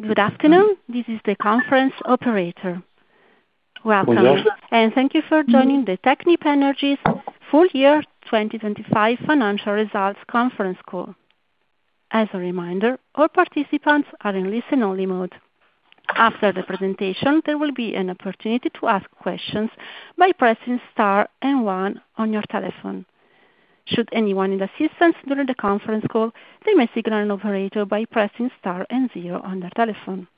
Good afternoon. This is the conference operator. Welcome, and thank you for joining the Technip Energies Full Year 2025 Financial Results Conference Call. As a reminder, all participants are in listen-only mode. After the presentation, there will be an opportunity to ask questions by pressing star and one on your telephone. Should anyone need assistance during the conference call, they may signal an operator by pressing star and zero on their telephone.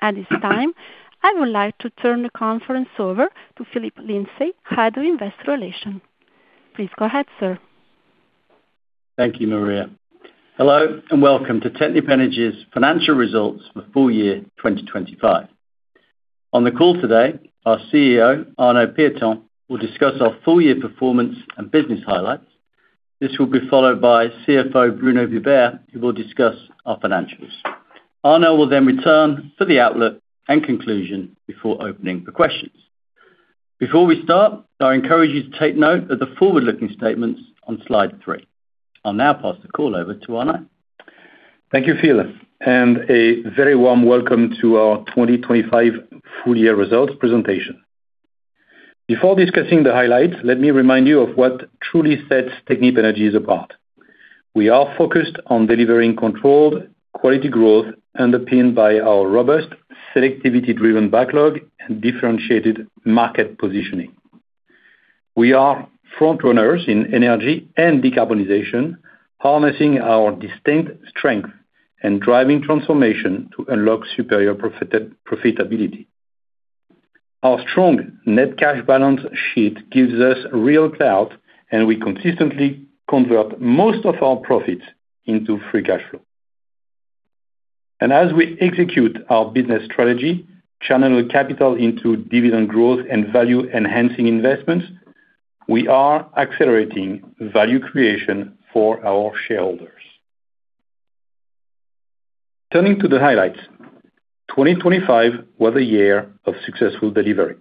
At this time, I would like to turn the conference over to Phillip Lindsay, Head of Investor Relations. Please go ahead, sir. Thank you, Maria. Hello, welcome to Technip Energies financial results for full year 2025. On the call today, our CEO, Arnaud Pieton, will discuss our full year performance and business highlights. This will be followed by CFO, Bruno Vibert, who will discuss our financials. Arnaud will return for the outlook and conclusion before opening for questions. Before we start, I encourage you to take note of the forward-looking statements on slide three. I'll now pass the call over to Arnaud. Thank you, Phillip, a very warm welcome to our 2025 full year results presentation. Before discussing the highlights, let me remind you of what truly sets Technip Energies apart. We are focused on delivering controlled quality growth, underpinned by our robust, selectivity-driven backlog and differentiated market positioning. We are front runners in energy and decarbonization, harnessing our distinct strength and driving transformation to unlock superior profitability. Our strong net cash balance sheet gives us real clout, and we consistently convert most of our profits into free cash flow. As we execute our business strategy, channel capital into dividend growth and value-enhancing investments, we are accelerating value creation for our shareholders. Turning to the highlights, 2025 was a year of successful delivery.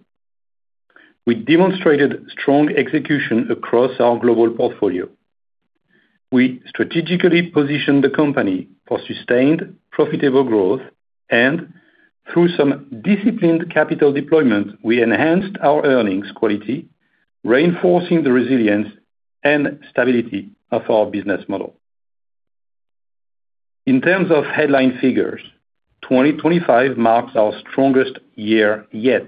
We demonstrated strong execution across our global portfolio. We strategically positioned the company for sustained, profitable growth, and through some disciplined capital deployment, we enhanced our earnings quality, reinforcing the resilience and stability of our business model. In terms of headline figures, 2025 marks our strongest year yet,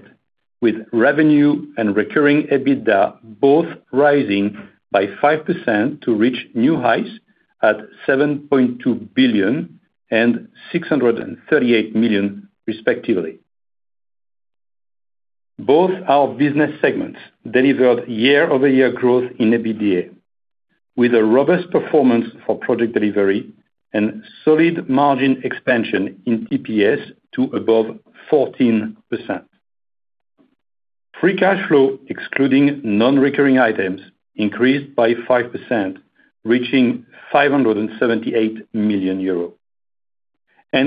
with revenue and recurring EBITDA both rising by 5% to reach new highs at 7.2 billion and 638 million, respectively. Both our business segments delivered year-over-year growth in EBITDA, with a robust performance for project delivery and solid margin expansion in TPS to above 14%. Free cash flow, excluding non-recurring items, increased by 5%, reaching 578 million euros.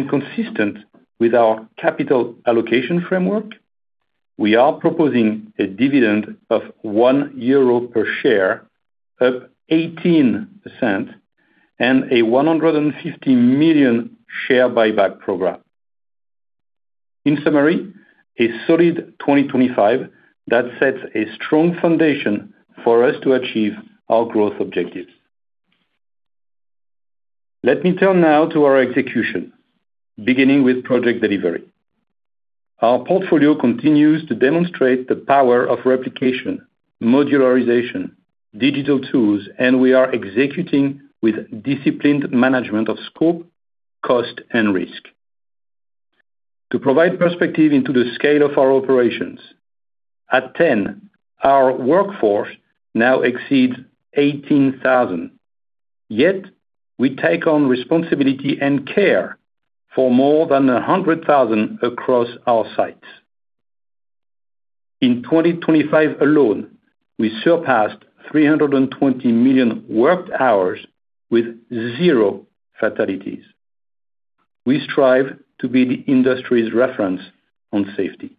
Consistent with our capital allocation framework, we are proposing a dividend of 1 euro per share, up 18%, and a 150 million share buyback program. In summary, a solid 2025 that sets a strong foundation for us to achieve our growth objectives. Let me turn now to our execution, beginning with project delivery. Our portfolio continues to demonstrate the power of replication, modularization, digital tools, we are executing with disciplined management of scope, cost, and risk. To provide perspective into the scale of our operations, at 10, our workforce now exceeds 18,000, yet we take on responsibility and care for more than 100,000 across our sites. In 2025 alone, we surpassed 320 million worked hours with 0 fatalities. We strive to be the industry's reference on safety.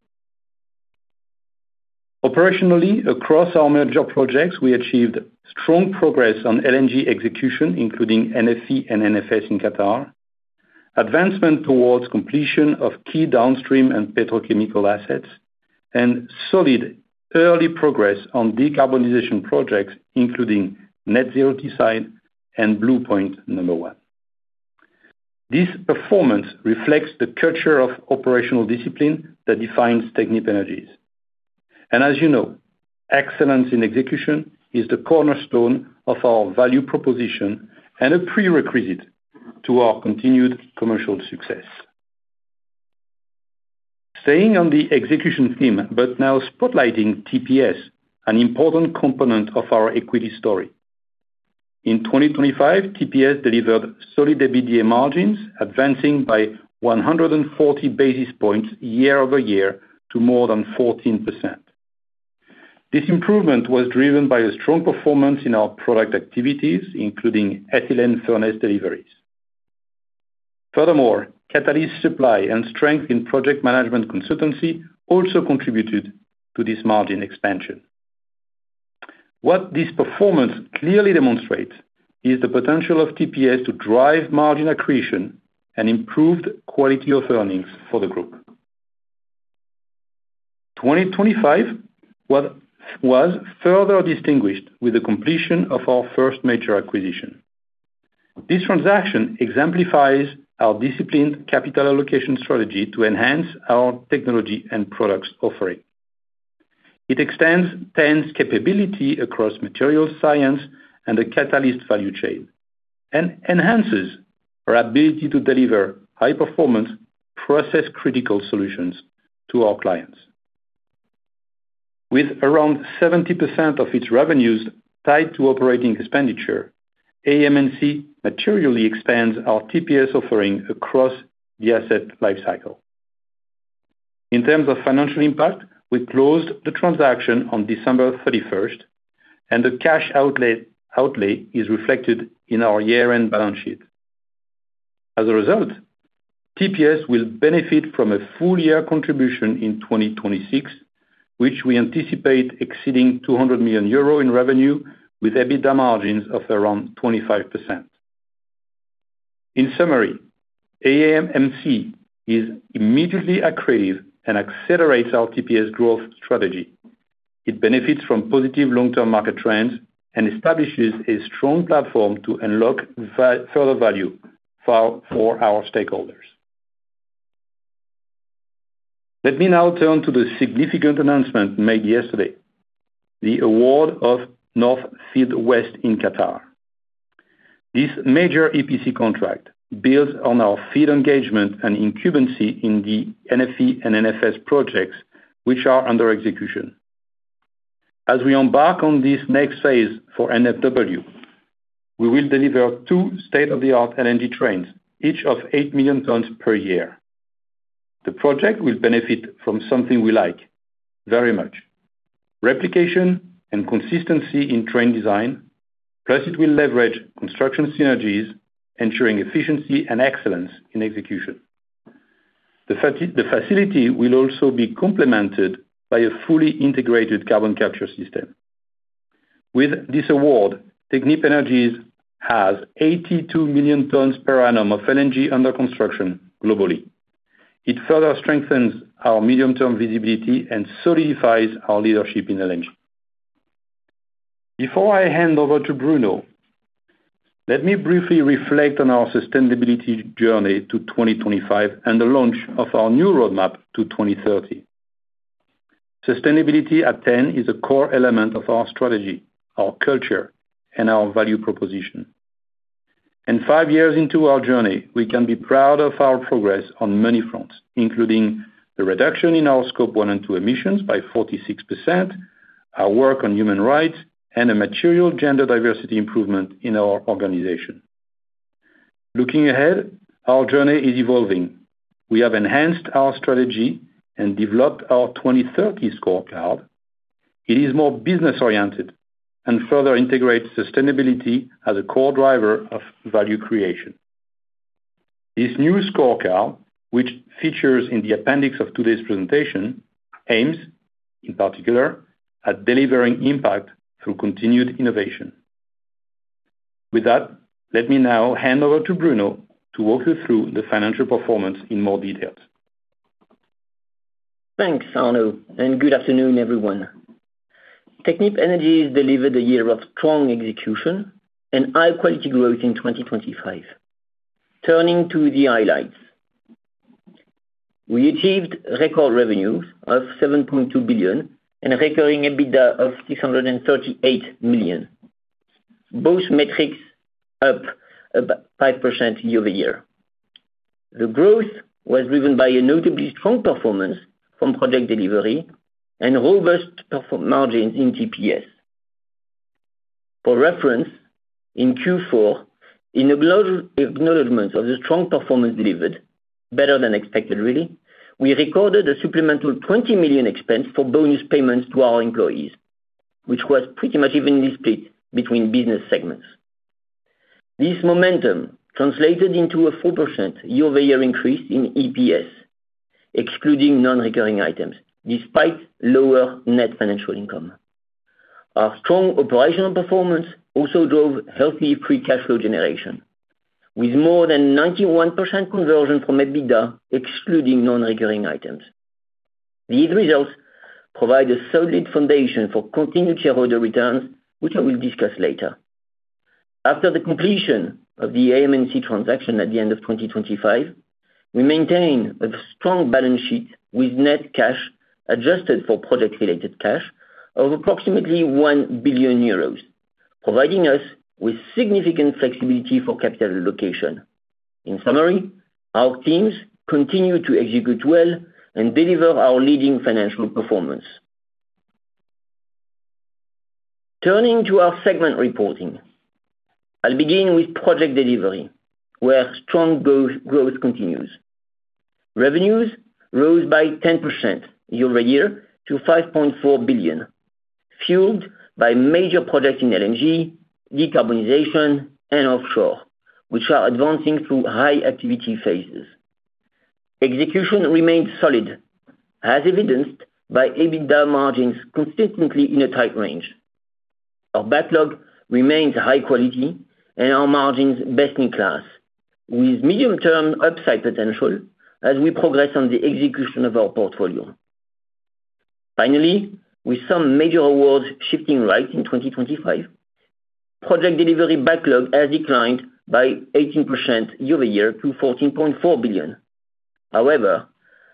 Operationally, across our major projects, we achieved strong progress on LNG execution, including NFE and NFS in Qatar, advancement towards completion of key downstream and petrochemical assets, and solid early progress on decarbonization projects, including Net Zero Teesside and Blue Point Number One. This performance reflects the culture of operational discipline that defines Technip Energies. As you know, excellence in execution is the cornerstone of our value proposition and a prerequisite to our continued commercial success. Staying on the execution theme, now spotlighting TPS, an important component of our equity story. In 2025, TPS delivered solid EBITDA margins, advancing by 140 basis points year-over-year to more than 14%. This improvement was driven by a strong performance in our product activities, including ethylene furnace deliveries. Catalyst supply and strength in project management consultancy also contributed to this margin expansion. What this performance clearly demonstrates is the potential of TPS to drive margin accretion and improved quality of earnings for the group. 2025 was further distinguished with the completion of our first major acquisition. This transaction exemplifies our disciplined capital allocation strategy to enhance our technology and products offering. It extends Ten's capability across material science and the catalyst value chain, enhances our ability to deliver high-performance, process-critical solutions to our clients. With around 70% of its revenues tied to operating expenditure, AM&C materially expands our TPS offering across the asset lifecycle. In terms of financial impact, we closed the transaction on December 31st, the cash outlay is reflected in our year-end balance sheet. As a result, TPS will benefit from a full year contribution in 2026, which we anticipate exceeding 200 million euro in revenue, with EBITDA margins of around 25%. In summary, AM&C is immediately accretive and accelerates our TPS growth strategy. It benefits from positive long-term market trends and establishes a strong platform to unlock further value for our stakeholders. Let me now turn to the significant announcement made yesterday, the award of North Field West in Qatar. This major EPC contract builds on our field engagement and incumbency in the NFE and NFS projects, which are under execution. As we embark on this next phase for NFW, we will deliver two state-of-the-art LNG trains, each of 8 million tons per year. The project will benefit from something we like very much: replication and consistency in train design, plus it will leverage construction synergies, ensuring efficiency and excellence in execution. The facility will also be complemented by a fully integrated carbon capture system. With this award, Technip Energies has 82 million tons per annum of LNG under construction globally. It further strengthens our medium-term visibility and solidifies our leadership in LNG. Before I hand over to Bruno, let me briefly reflect on our sustainability journey to 2025 and the launch of our new roadmap to 2030. Sustainability at Ten is a core element of our strategy, our culture, and our value proposition. Five years into our journey, we can be proud of our progress on many fronts, including the reduction in our Scope one and two emissions by 46%, our work on human rights, and a material gender diversity improvement in our organization. Looking ahead, our journey is evolving. We have enhanced our strategy and developed our 2030 scorecard. It is more business-oriented and further integrates sustainability as a core driver of value creation. This new scorecard, which features in the appendix of today's presentation, aims, in particular, at delivering impact through continued innovation. With that, let me now hand over to Bruno to walk you through the financial performance in more details. Thanks, Arnaud, and good afternoon, everyone. Technip Energies delivered a year of strong execution and high-quality growth in 2025. Turning to the highlights. We achieved record revenues of 7.2 billion and recurring EBITDA of 638 million. Both metrics up about 5% year-over-year. The growth was driven by a notably strong performance from project delivery and robust margins in GPS. For reference, in Q4, in acknowledgment of the strong performance delivered, better than expected, really, we recorded a supplemental 20 million expense for bonus payments to our employees, which was pretty much evenly split between business segments. This momentum translated into a 4% year-over-year increase in EPS, excluding non-recurring items, despite lower net financial income. Our strong operational performance also drove healthy free cash flow generation, with more than 91% conversion from EBITDA, excluding non-recurring items. These results provide a solid foundation for continued shareholder returns, which I will discuss later. After the completion of the AM&C transaction at the end of 2025, we maintain a strong balance sheet with net cash, adjusted for project-related cash, of approximately 1 billion euros, providing us with significant flexibility for capital allocation. In summary, our teams continue to execute well and deliver our leading financial performance. Turning to our segment reporting. I'll begin with project delivery, where strong growth continues. Revenues rose by 10% year-over-year to 5.4 billion, fueled by major projects in LNG, decarbonization, and offshore, which are advancing through high activity phases. Execution remains solid, as evidenced by EBITDA margins consistently in a tight range. Our backlog remains high quality and our margins best in class, with medium-term upside potential as we progress on the execution of our portfolio. Finally, with some major awards shifting right in 2025, project delivery backlog has declined by 18% year-over-year to 14.4 billion. However,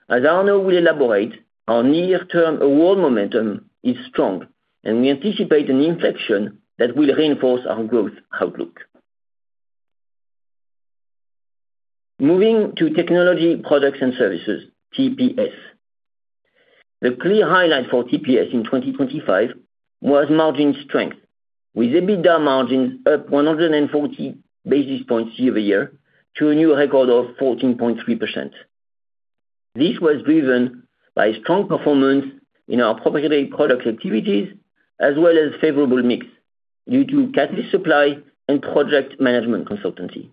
as Arnaud will elaborate, our near-term award momentum is strong, and we anticipate an inflection that will reinforce our growth outlook. Moving to Technology Products and Services, TPS. The clear highlight for TPS in 2025 was margin strength, with EBITDA margins up 140 basis points year-over-year to a new record of 14.3%. This was driven by strong performance in our proprietary product activities, as well as favorable mix due to catalyst supply and project management consultancy.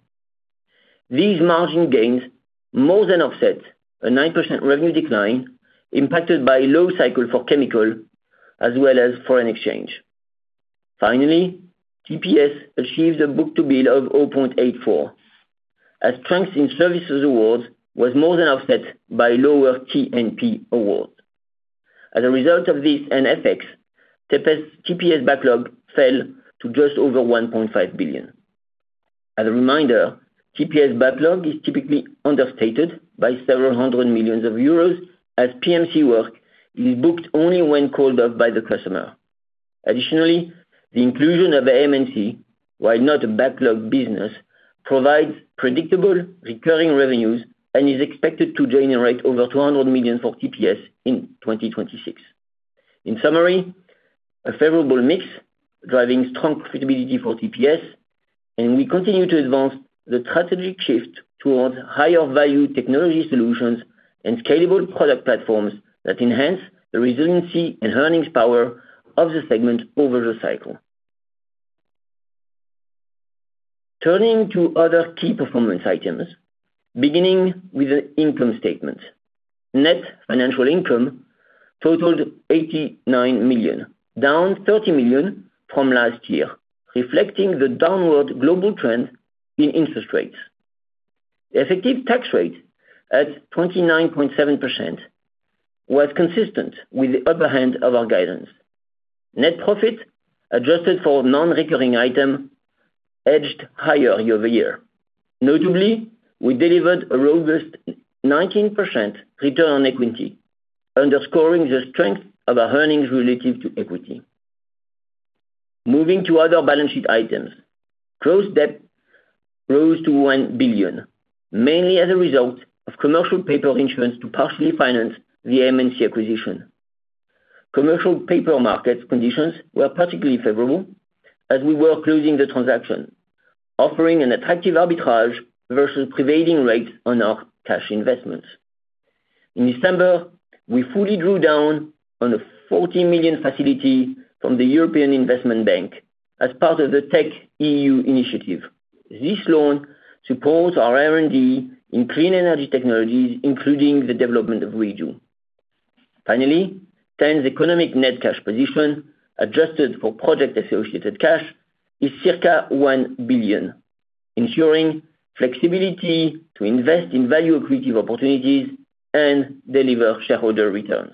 These margin gains more than offset a 9% revenue decline, impacted by low cycle for chemical as well as foreign exchange. Finally, TPS achieved a book-to-bill of 0.84, as strength in services awards was more than offset by lower T&P awards. As a result of this and FX, TPS backlog fell to just over 1.5 billion EUR. As a reminder, TPS backlog is typically understated by several hundred million EUR, as PMC work is booked only when called up by the customer. Additionally, the inclusion of AM&C, while not a backlog business, provides predictable, recurring revenues and is expected to generate over 200 million EUR for TPS in 2026. In summary, a favorable mix driving strong profitability for TPS, and we continue to advance the strategic shift towards higher value technology solutions and scalable product platforms that enhance the resiliency and earnings power of the segment over the cycle. Turning to other key performance items, beginning with the income statement. Net financial income totaled 89 million, down 30 million from last year, reflecting the downward global trend in interest rates. The effective tax rate at 29.7% was consistent with the upper hand of our guidance. Net profit, adjusted for non-recurring item, edged higher year-over-year. Notably, we delivered a robust 19% return on equity, underscoring the strength of our earnings relative to equity. Moving to other balance sheet items. Gross debt rose to 1 billion, mainly as a result of commercial paper issuance to partially finance the AM&C acquisition. Commercial paper market conditions were particularly favorable as we were closing the transaction, offering an attractive arbitrage versus prevailing rates on our cash investments. In December, we fully drew down on a 40 million facility from the European Investment Bank as part of the TechEU initiative. This loan supports our R&D in clean energy technologies, including the development of Reju. Finally, Ten's economic net cash position, adjusted for project-associated cash, is circa 1 billion, ensuring flexibility to invest in value-accretive opportunities and deliver shareholder returns.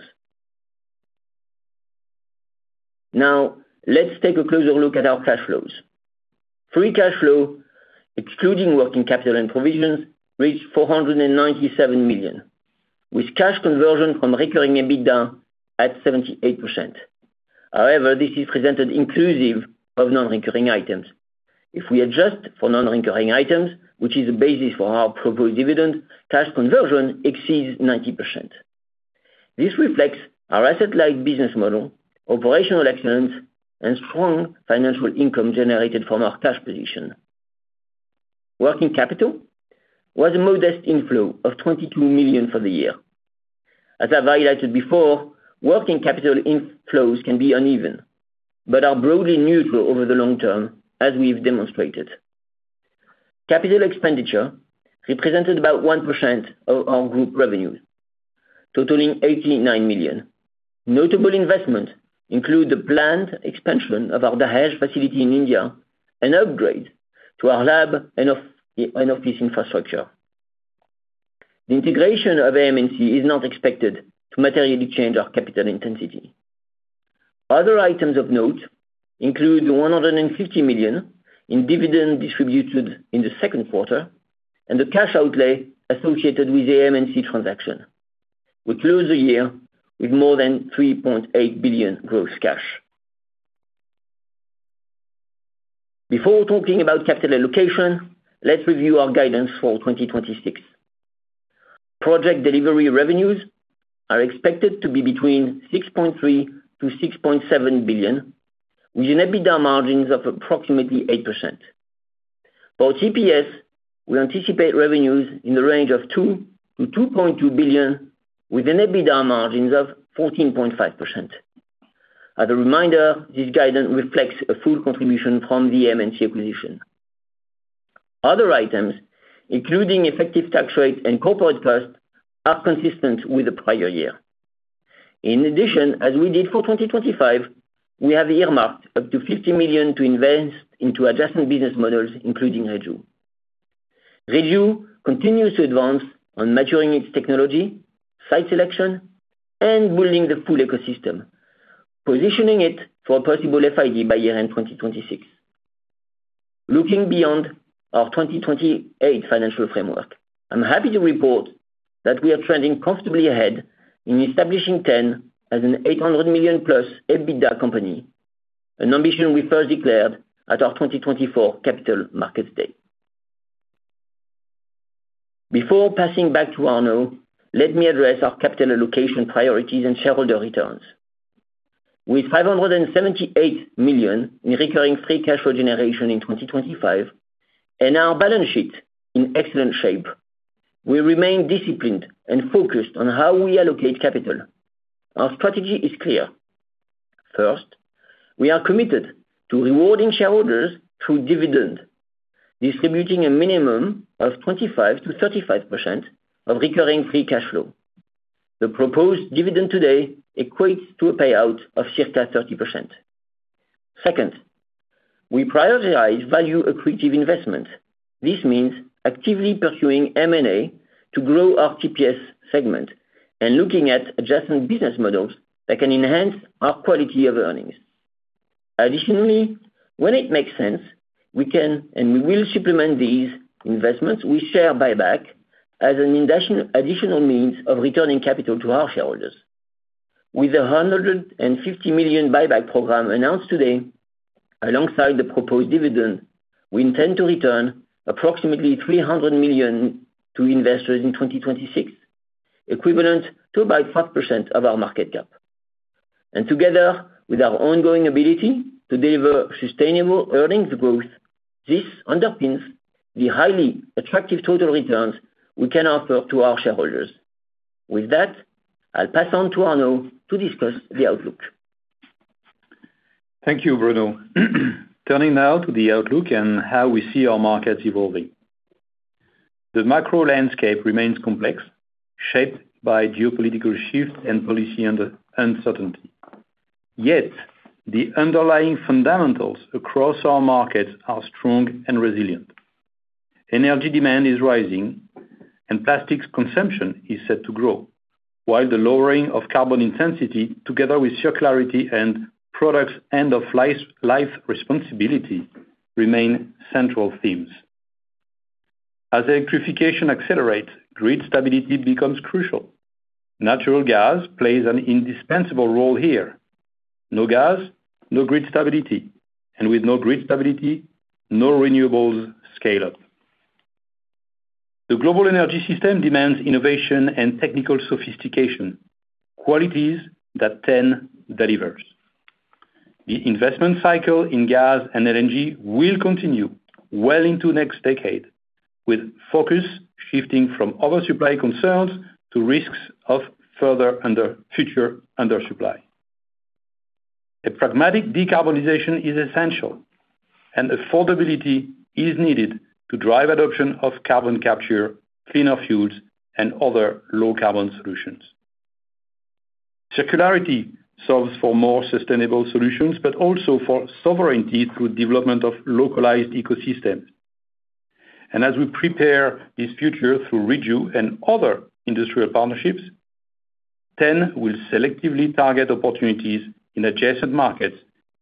Let's take a closer look at our cash flows. Free cash flow, excluding working capital and provisions, reached 497 million, with cash conversion from recurring EBITDA at 78%. This is presented inclusive of non-recurring items. If we adjust for non-recurring items, which is the basis for our proposed dividend, cash conversion exceeds 90%. This reflects our asset-light business model, operational excellence, and strong financial income generated from our cash position. Working capital was a modest inflow of 22 million for the year. As I've highlighted before, working capital inflows can be uneven, but are broadly neutral over the long term, as we've demonstrated. Capital expenditure represented about 1% of our group revenues, totaling 89 million. Notable investments include the planned expansion of our Dahej facility in India and upgrade to our lab and office infrastructure. The integration of AM&C is not expected to materially change our capital intensity. Other items of note include 150 million in dividend distributed in the second quarter, and the cash outlay associated with the AM&C transaction. We closed the year with more than 3.8 billion gross cash. Before talking about capital allocation, let's review our guidance for 2026. Project delivery revenues are expected to be between 6.3 billion-6.7 billion, with an EBITDA margins of approximately 8%. For TPS, we anticipate revenues in the range of 2 billion-2.2 billion, with an EBITDA margins of 14.5%. As a reminder, this guidance reflects a full contribution from the AM&C acquisition. Other items, including effective tax rate and corporate costs, are consistent with the prior year. In addition, as we did for 2025, we have earmarked up to 50 million to invest into adjacent business models, including Reju. Reju continues to advance on maturing its technology, site selection, and building the full ecosystem, positioning it for a possible FID by year-end 2026. Looking beyond our 2028 financial framework, I'm happy to report that we are trending comfortably ahead in establishing Ten as an 800 million+ EBITDA company, an ambition we first declared at our 2024 Capital Markets Day. Before passing back to Arnaud, let me address our capital allocation priorities and shareholder returns. With 578 million in recurring free cash flow generation in 2025, our balance sheet in excellent shape, we remain disciplined and focused on how we allocate capital. Our strategy is clear. First, we are committed to rewarding shareholders through dividend, distributing a minimum of 25%-35% of recurring free cash flow. The proposed dividend today equates to a payout of circa 30%. Second, we prioritize value accretive investment. This means actively pursuing M&A to grow our TPS segment and looking at adjacent business models that can enhance our quality of earnings. Additionally, when it makes sense, we can and we will supplement these investments with share buyback as an additional means of returning capital to our shareholders. With a 150 million buyback program announced today, alongside the proposed dividend, we intend to return approximately 300 million to investors in 2026, equivalent to about 5% of our market cap. Together with our ongoing ability to deliver sustainable earnings growth, this underpins the highly attractive total returns we can offer to our shareholders. With that, I'll pass on to Arnaud to discuss the outlook. Thank you, Bruno. Turning now to the outlook and how we see our markets evolving. The macro landscape remains complex, shaped by geopolitical shifts and policy and uncertainty. Yet, the underlying fundamentals across our markets are strong and resilient. Energy demand is rising, and plastics consumption is set to grow, while the lowering of carbon intensity, together with circularity and products' end of life responsibility, remain central themes. As electrification accelerates, grid stability becomes crucial. Natural gas plays an indispensable role here. No gas, no grid stability, and with no grid stability, no renewables scale up. The global energy system demands innovation and technical sophistication, qualities that Ten delivers. The investment cycle in gas and LNG will continue well into next decade, with focus shifting from oversupply concerns to risks of further Future undersupply. A pragmatic decarbonization is essential, affordability is needed to drive adoption of carbon capture, cleaner fuels, and other low-carbon solutions. Circularity solves for more sustainable solutions, also for sovereignty through development of localized ecosystems. As we prepare this future through Rejuv and other industrial partnerships, Ten will selectively target opportunities in adjacent markets,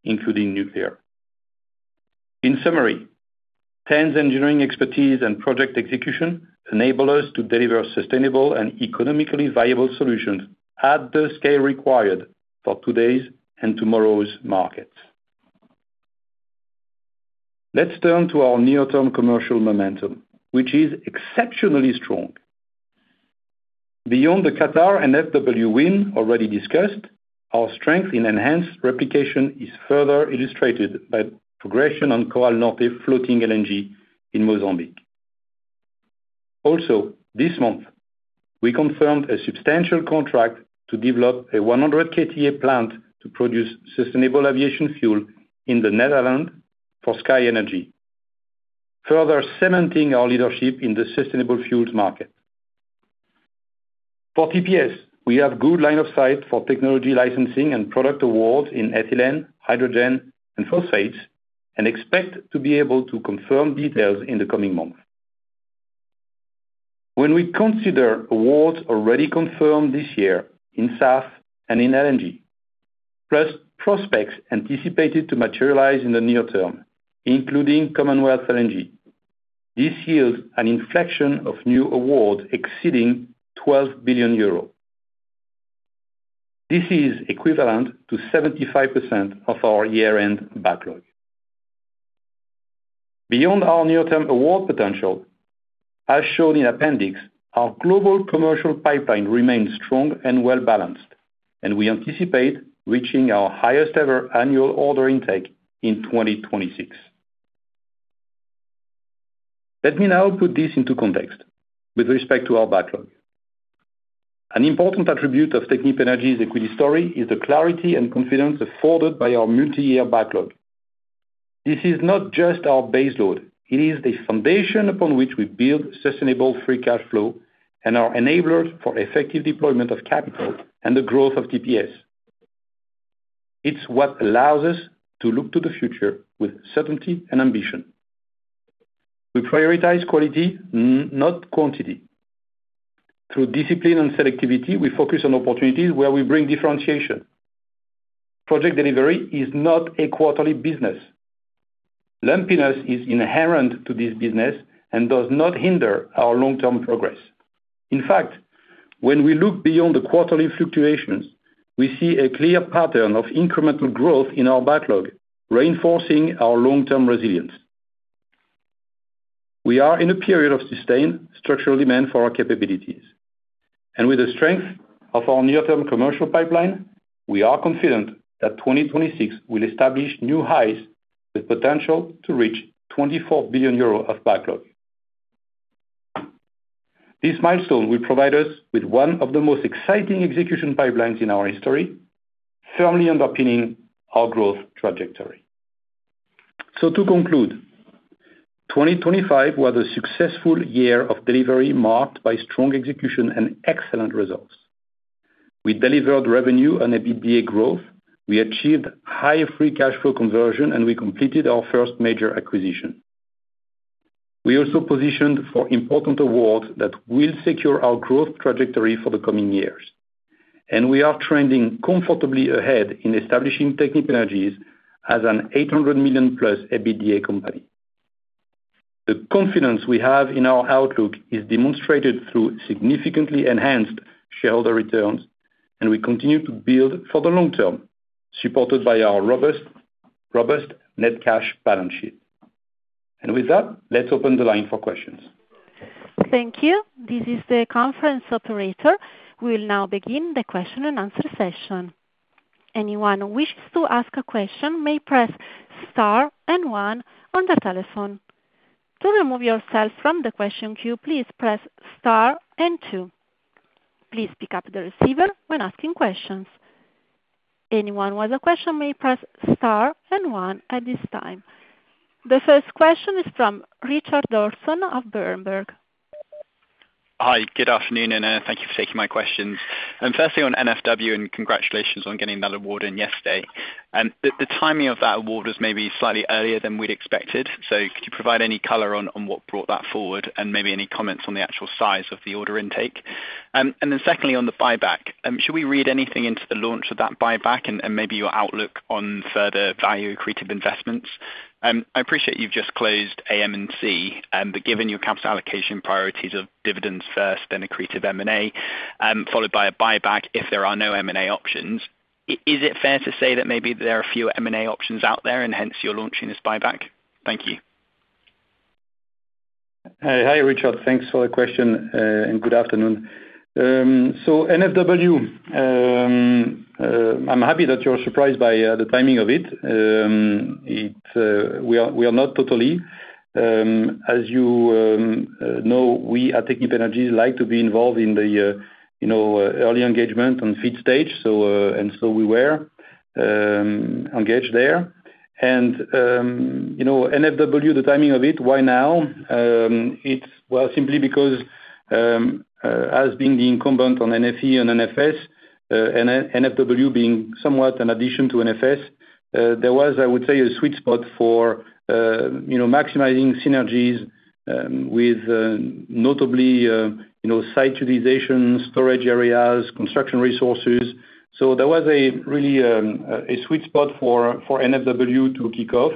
including nuclear. In summary, Ten's engineering expertise and project execution enable us to deliver sustainable and economically viable solutions at the scale required for today's and tomorrow's markets. Let's turn to our near-term commercial momentum, which is exceptionally strong. Beyond the Qatar and FW win already discussed, our strength in enhanced replication is further illustrated by progression on Coral Norte FLNG in Mozambique. This month, we confirmed a substantial contract to develop a 100 KTA plant to produce sustainable aviation fuel in the Netherlands for SkyNRG, further cementing our leadership in the sustainable fuels market. For TPS, we have good line of sight for technology licensing and product awards in ethylene, hydrogen, and phosphates, and expect to be able to confirm details in the coming months. When we consider awards already confirmed this year in SAF and in LNG, plus prospects anticipated to materialize in the near term, including Commonwealth LNG, this yields an inflection of new awards exceeding 12 billion euros. This is equivalent to 75% of our year-end backlog. Beyond our near-term award potential, as shown in appendix, our global commercial pipeline remains strong and well-balanced. We anticipate reaching our highest ever annual order intake in 2026. Let me now put this into context with respect to our backlog. An important attribute of Technip Energies' equity story is the clarity and confidence afforded by our multi-year backlog. This is not just our baseload, it is the foundation upon which we build sustainable free cash flow and our enablers for effective deployment of capital and the growth of TPS. It's what allows us to look to the future with certainty and ambition. We prioritize quality, not quantity. Through discipline and selectivity, we focus on opportunities where we bring differentiation. Project delivery is not a quarterly business. Lumpiness is inherent to this business and does not hinder our long-term progress. In fact, when we look beyond the quarterly fluctuations, we see a clear pattern of incremental growth in our backlog, reinforcing our long-term resilience. We are in a period of sustained structural demand for our capabilities, and with the strength of our near-term commercial pipeline, we are confident that 2026 will establish new highs with potential to reach 24 billion euro of backlog. This milestone will provide us with one of the most exciting execution pipelines in our history, firmly underpinning our growth trajectory. To conclude, 2025 was a successful year of delivery, marked by strong execution and excellent results. We delivered revenue and EBITDA growth, we achieved high free cash flow conversion, and we completed our first major acquisition. We also positioned for important awards that will secure our growth trajectory for the coming years, we are trending comfortably ahead in establishing Technip Energies as an 800 million+ EBITDA company. The confidence we have in our outlook is demonstrated through significantly enhanced shareholder returns, and we continue to build for the long term, supported by our robust net cash balance sheet. With that, let's open the line for questions. Thank you. This is the conference operator. We will now begin the question and answer session. Anyone who wishes to ask a question may press star and one on their telephone. To remove yourself from the question queue, please press star and two. Please pick up the receiver when asking questions. Anyone with a question may press star and one at this time. The first question is from Richard Dawson of Berenberg. Hi, good afternoon, thank you for taking my questions. Firstly on NFW, congratulations on getting that award in yesterday. The timing of that award was maybe slightly earlier than we'd expected, so could you provide any color on what brought that forward and maybe any comments on the actual size of the order intake? Secondly, on the buyback, should we read anything into the launch of that buyback and maybe your outlook on further value accretive investments? I appreciate you've just closed AM&C, but given your capital allocation priorities of dividends first, then accretive M&A, followed by a buyback, if there are no M&A options, is it fair to say that maybe there are a few M&A options out there and hence you're launching this buyback? Thank you. Hi, Richard. Thanks for the question, good afternoon. NFW, I'm happy that you're surprised by the timing of it. It, we are not totally. As you know, we at Technip Energies like to be involved in the you know, early engagement on FEED stage, we were engaged there. You know, NFW, the timing of it, why now? It's, well, simply because, as being the incumbent on NFE and NFS, and NFW being somewhat an addition to NFS, there was, I would say, a sweet spot for, you know, maximizing synergies, with, notably, you know, site utilization, storage areas, construction resources. There was a really a sweet spot for NFW to kick off,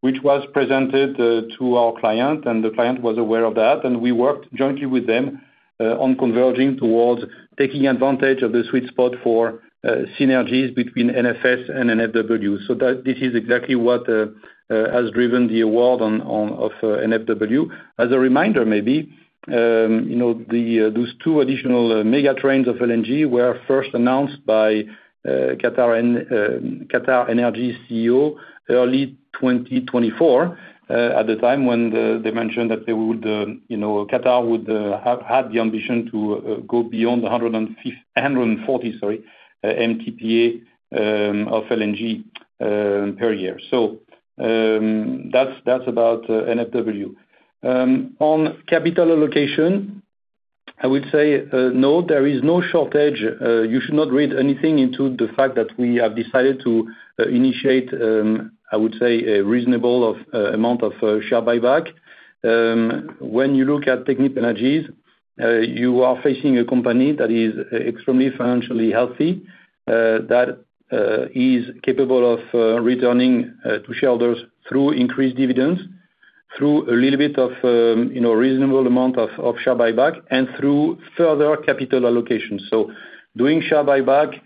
which was presented to our client, and the client was aware of that. We worked jointly with them on converging towards taking advantage of the sweet spot for synergies between NFS and NFW. This is exactly what has driven the award of NFW. As a reminder, maybe, you know, those two additional mega trends of LNG were first announced by QatarEnergy CEO, early 2024, at the time when they mentioned that they would, you know, Qatar would had the ambition to go beyond 140 MTPA of LNG per year. That's about NFW. On capital allocation, I would say, no, there is no shortage. You should not read anything into the fact that we have decided to initiate, I would say, a reasonable of amount of share buyback. When you look at Technip Energies, you are facing a company that is extremely financially healthy, that is capable of returning to shareholders through increased dividends, through a little bit of, you know, reasonable amount of share buyback, and through further capital allocation. Doing share buyback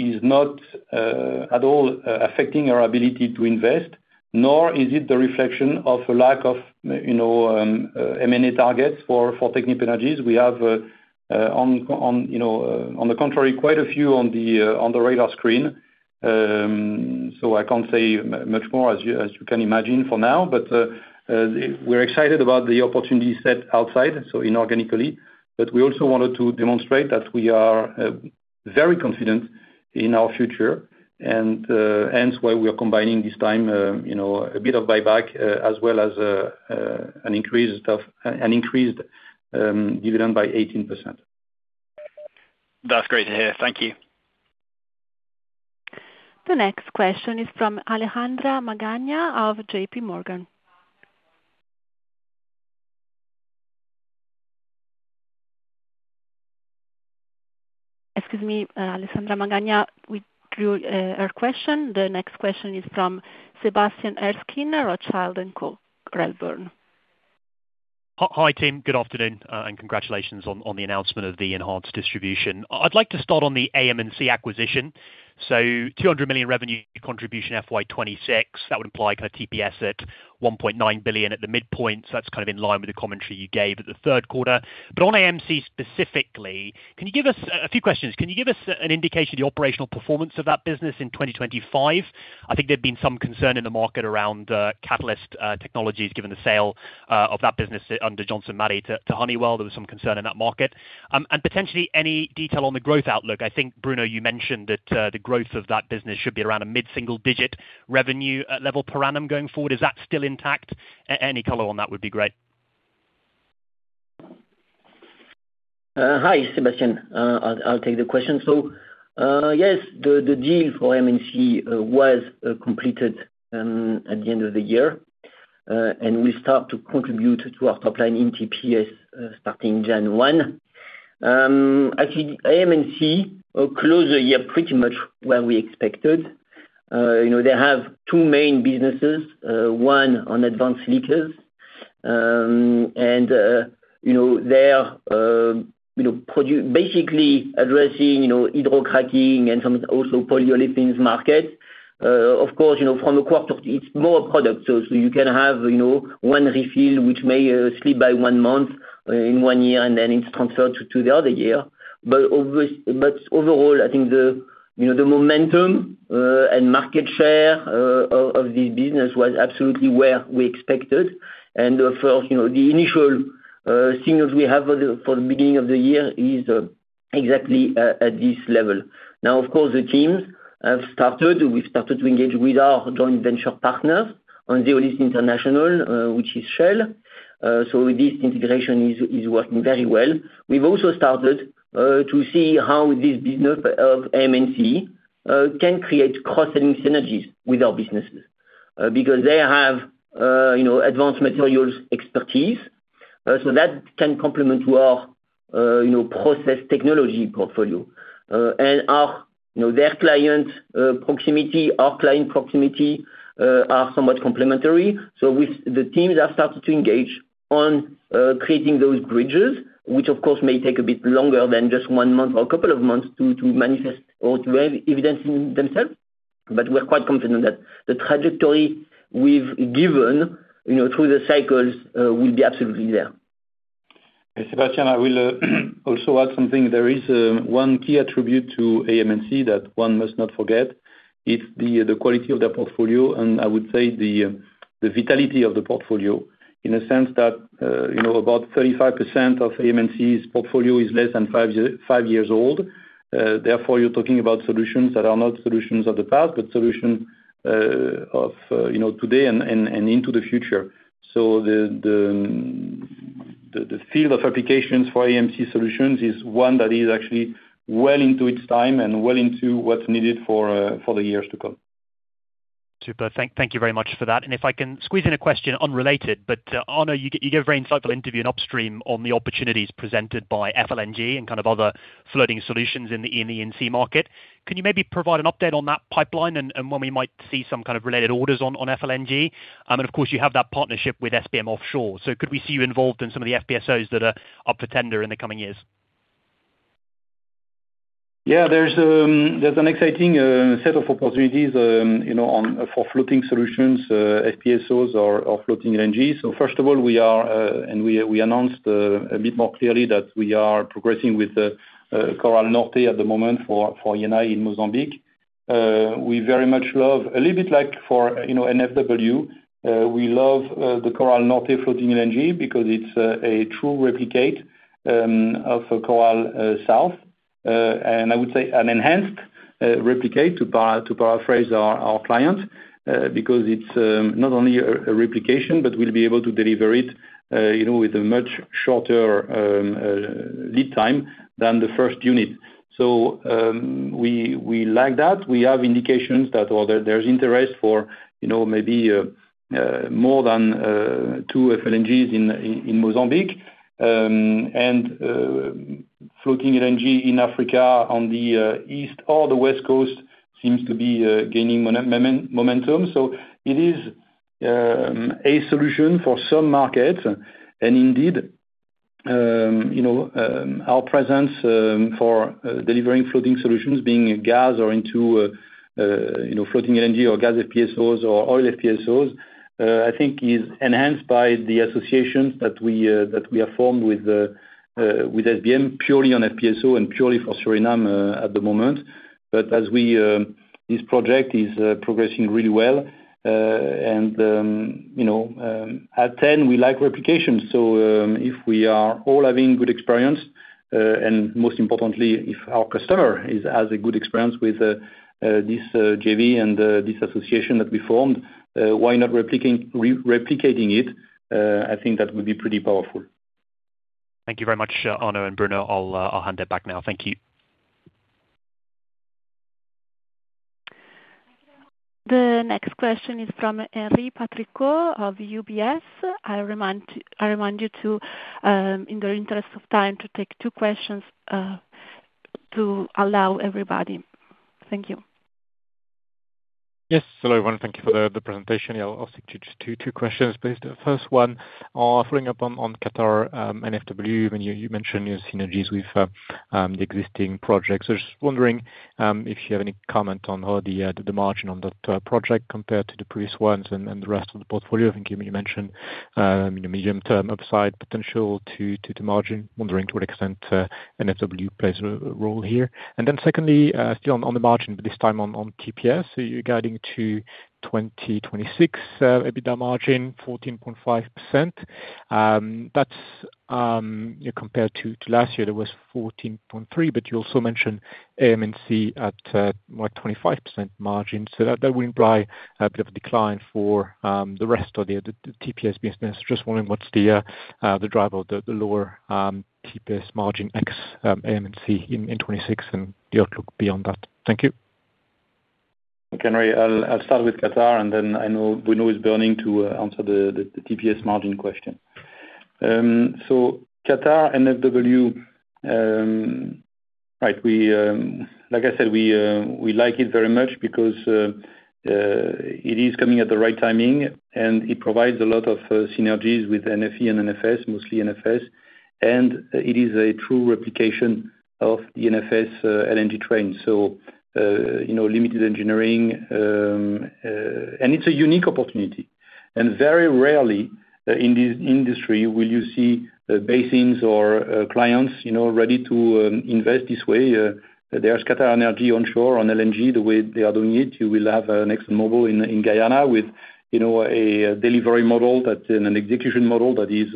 is not at all affecting our ability to invest, nor is it the reflection of a lack of, you know, M&A targets for Technip Energies. We have, on, you know, on the contrary, quite a few on the radar screen. I can't say much more as you can imagine for now, but we're excited about the opportunity set outside, so inorganically, but we also wanted to demonstrate that we are very confident in our future and hence why we are combining this time, you know, a bit of buyback, as well as an increased dividend by 18%. That's great to hear. Thank you. The next question is from Alejandra Magana of JPMorgan. Excuse me, Alejandra Magana, we drew her question. The next question is from Sebastian Erskine, Rothschild & Co, Melbourne. Hi, team. Good afternoon, and congratulations on the announcement of the enhanced distribution. I'd like to start on the AM&C acquisition. Two hundred million revenue contribution FY 2026, that would imply kind of TPS at 1.9 billion at the midpoint, that's kind of in line with the commentary you gave at the third quarter. On AM&C specifically, a few questions. Can you give us an indication of the operational performance of that business in 2025? I think there'd been some concern in the market around catalyst technologies, given the sale of that business under Johnson Matthey to Honeywell, there was some concern in that market. Potentially, any detail on the growth outlook? I think, Bruno, you mentioned that the growth of that business should be around a mid-single digit revenue level per annum going forward. Is that still intact? Any color on that would be great. Hi, Sebastian. I'll take the question. Yes, the deal for AM&C was completed at the end of the year. Will start to contribute to our top line in TPS starting January 1. Actually, AM&C closed the year pretty much where we expected. You know, they have two main businesses, one on advanced leakers. You know, they are, you know, basically addressing, you know, hydro cracking and some also polyolefins market. Of course, you know, from a quarter, it's more product, so you can have, you know, one refill, which may slip by one month in one year, and then it's transferred to the other year. Overall, I think the, you know, the momentum and market share of this business was absolutely where we expected. For, you know, the initial signals we have for the beginning of the year is exactly at this level. Of course, the teams have started. We've started to engage with our joint venture partners on Zeolyst International, which is Shell. So this integration is working very well. We've also started to see how this business of AM&C can create cross-selling synergies with our businesses, because they have, you know, advanced materials expertise, so that can complement to our, you know, process technology portfolio. And our, you know, their clients' proximity, our client proximity, are somewhat complementary. So we... The teams have started to engage on creating those bridges, which of course may take a bit longer than just one month or a couple of months to manifest or to have evidence themselves. We're quite confident that the trajectory we've given, you know, through the cycles, will be absolutely there. Hey, Sebastian, I will also add something. There is one key attribute to AM&C that one must not forget, is the quality of their portfolio, and I would say the vitality of the portfolio. In a sense that, you know, about 35% of AM&C's portfolio is less than 5 years old. Therefore, you're talking about solutions that are not solutions of the past, but solution of, you know, today and into the future. The field of applications for AM&C solutions is one that is actually well into its time and well into what's needed for the years to come. Super. Thank you very much for that. If I can squeeze in a question unrelated, but Arnaud, you gave a very insightful interview on upstream on the opportunities presented by FLNG and kind of other floating solutions in the ENC market. Can you maybe provide an update on that pipeline and when we might see some kind of related orders on FLNG? Of course, you have that partnership with SBM Offshore. Could we see you involved in some of the FPSOs that are up for tender in the coming years? Yeah, there's an exciting set of opportunities, you know, on for floating solutions, FPSOs or floating LNG. First of all, we are, and we announced a bit more clearly that we are progressing with the Coral Norte at the moment for Eni in Mozambique. We very much love, a little bit like for, you know, NFW, we love the Coral Norte floating LNG because it's a true replicate of Coral South. I would say an enhanced replicate, to paraphrase our client, because it's not only a replication, but we'll be able to deliver it, you know, with a much shorter lead time than the first unit. We like that. We have indications that, well, there's interest for, you know, maybe more than 2 FLNGs in Mozambique. Floating LNG in Africa, on the east or the west coast seems to be gaining momentum. It is a solution for some markets, and indeed. You know, our presence for delivering floating solutions, being gas or into, you know, floating LNG or gas FPSOs or oil FPSOs, I think is enhanced by the associations that we have formed with SBM purely on FPSO and purely for Suriname at the moment. As we, this project is progressing really well, and, you know, at ten, we like replication. If we are all having good experience, and most importantly, if our customer has a good experience with this JV and this association that we formed, why not replicating it? I think that would be pretty powerful. Thank you very much, Arnaud and Bruno. I'll hand it back now. Thank you. The next question is from Henri Patricot of UBS. I remind you to, in the interest of time, to take two questions, to allow everybody. Thank you. Yes. Hello, everyone. Thank you for the presentation. I'll stick to just two questions, please. The first one, following up on Qatar, NFW, when you mentioned your synergies with the existing projects. I was just wondering if you have any comment on how the margin on that project compared to the previous ones and the rest of the portfolio? I think you mentioned, you know, medium term upside potential to the margin. Wondering to what extent NFW plays a role here. Secondly, still on the margin, but this time on TPS. You're guiding to 2026 EBITDA margin 14.5%. That's, you know, compared to last year, there was 14.3%. You also mentioned AM&C at, what? 25% margin. That would imply bit of a decline for the rest of the TPS business. Just wondering, what's the driver of the lower TPS margin ex AM&C in 2026 and the outlook beyond that? Thank you. Okay, Henri, I'll start with Qatar, and then I know Bruno Vibert is burning to answer the TPS margin question. Qatar NFW, right, we like it very much because it is coming at the right timing, and it provides a lot of synergies with NFE and NFS, mostly NFS. It is a true replication of the NFS LNG train. You know, limited engineering, and it's a unique opportunity. Very rarely, in this industry will you see basins or clients, you know, ready to invest this way. There's QatarEnergy onshore on LNG, the way they are doing it. You will have ExxonMobil in Guyana with, you know, a delivery model that, and an execution model that is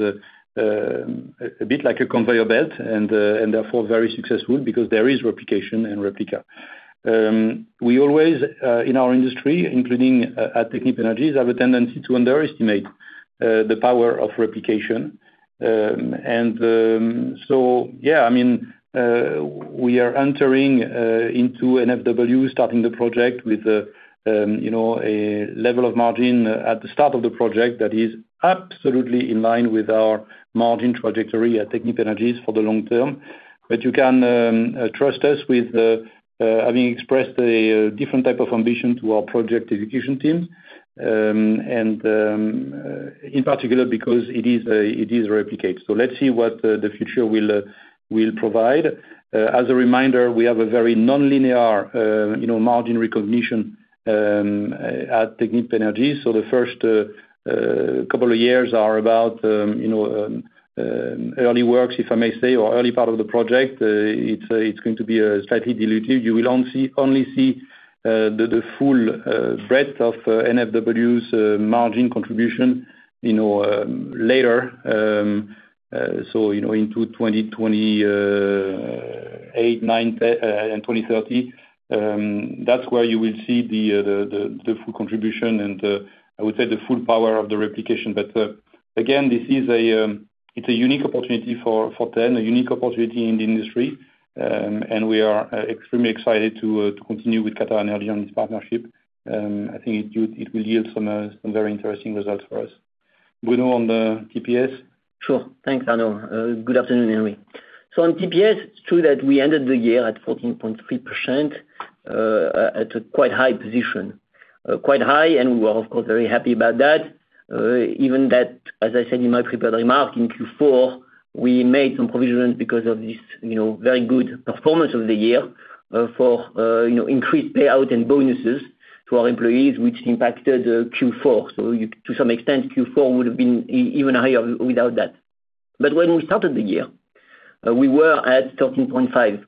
a bit like a conveyor belt and therefore very successful because there is replication and replica. We always in our industry, including at Technip Energies, have a tendency to underestimate the power of replication. So yeah, I mean, we are entering into NFW, starting the project with, you know, a level of margin at the start of the project that is absolutely in line with our margin trajectory at Technip Energies for the long term. You can trust us with having expressed a different type of ambition to our project execution team. In particular, because it is replicate. Let's see what the future will provide. As a reminder, we have a very nonlinear, you know, margin recognition at Technip Energies. The first couple of years are about, you know, early works, if I may say, or early part of the project. It's going to be slightly dilutive. You will only see the full breadth of NFW's margin contribution, you know, later. You know, into 2028, 2029, and 2030, that's where you will see the full contribution and, I would say, the full power of the replication. Again, this is a unique opportunity for Technip, a unique opportunity in the industry. We are extremely excited to continue with QatarEnergy on this partnership. I think it would, it will yield some very interesting results for us. Bruno, on the TPS? Sure. Thanks, Arnaud. Good afternoon, Henri. On TPS, it's true that we ended the year at 14.3%, at a quite high position. Quite high, and we were, of course, very happy about that. Even that, as I said in my prepared remark, in Q4, we made some provisions because of this, you know, very good performance of the year, for, you know, increased payout and bonuses to our employees, which impacted Q4. To some extent, Q4 would have been even higher without that. When we started the year, we were at 13.5%,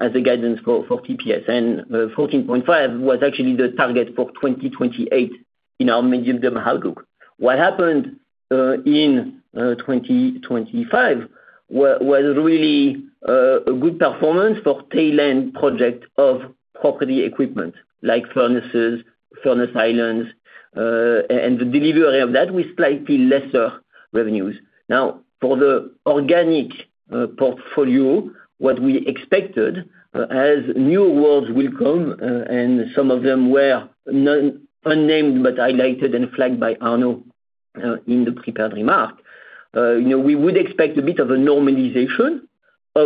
as a guidance for TPS, and 14.5% was actually the target for 2028 in our medium-term outlook. What happened in 2025 was really a good performance for tail end project of property equipment, like furnaces, furnace islands, and the delivery of that with slightly lesser revenues. Now, for the organic portfolio, what we expected as new awards will come, and some of them were unnamed, but highlighted and flagged by Arnaud Pieton, in the prepared remark, you know, we would expect a bit of a normalization.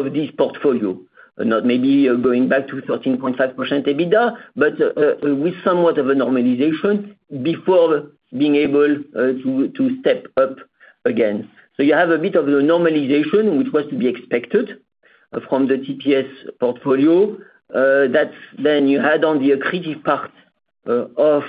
...of this portfolio, not maybe going back to 13.5% EBITDA, but with somewhat of a normalization before being able to step up again. You have a bit of a normalization, which was to be expected from the TPS portfolio. That's then you add on the accretive part of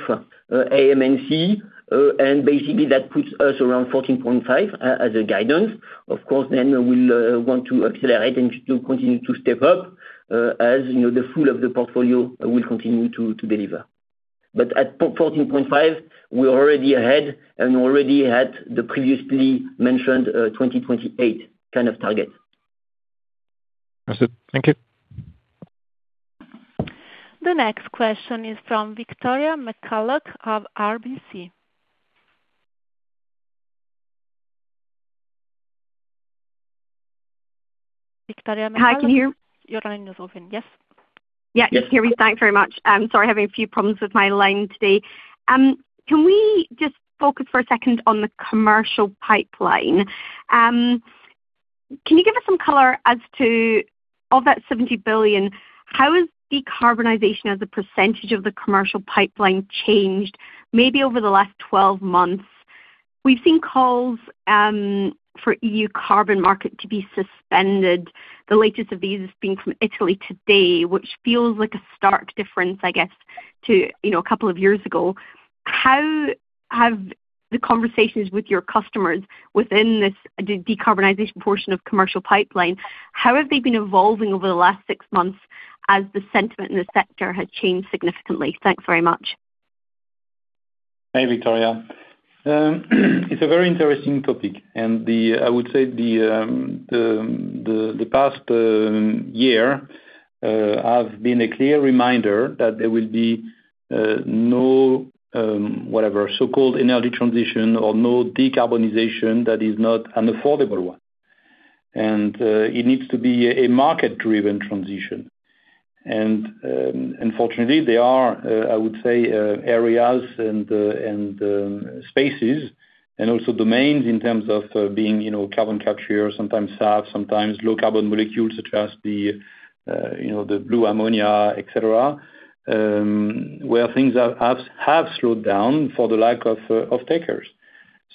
AM&C, and basically that puts us around 14.5 as a guidance. Of course, we'll want to accelerate and to continue to step up, as, you know, the full of the portfolio will continue to deliver. At 14.5, we're already ahead, and already at the previously mentioned 2028 kind of target. That's it. Thank you. The next question is from Victoria McCulloch of RBC. Victoria McCulloch? Hi, can you hear me? Your line is open, yes. Yeah, just hear me. Thanks very much. Sorry, having a few problems with my line today. Can we just focus for a second on the commercial pipeline? Can you give us some color as to, of that 70 billion, how has decarbonization as a percentage of the commercial pipeline changed, maybe over the last 12 months? We've seen calls for EU carbon market to be suspended, the latest of these being from Italy today, which feels like a stark difference, I guess, to, you know, a couple of years ago. How have the conversations with your customers within this decarbonization portion of commercial pipeline, how have they been evolving over the last 6 months as the sentiment in the sector has changed significantly? Thanks very much. Hi, Victoria. It's a very interesting topic. The, I would say the past year have been a clear reminder that there will be no whatever, so-called energy transition or no decarbonization that is not an affordable one. It needs to be a market-driven transition. Unfortunately, there are, I would say, areas and spaces and also domains in terms of, being, you know, carbon capture, sometimes SAF, sometimes low carbon molecules, such as the, you know, the blue ammonia, et cetera, where things have slowed down for the lack of offtakers.